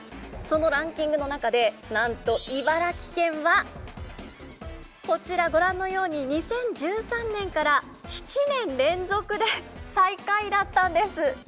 そのランキングの中でなんと茨城県はこちらご覧のように２０１３年から７年連続で最下位だったんです。